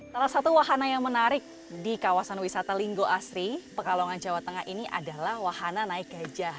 salah satu wahana yang menarik di kawasan wisata linggo asri pekalongan jawa tengah ini adalah wahana naik gajah